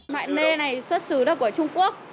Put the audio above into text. mạng lê này xuất xứ đó của trung quốc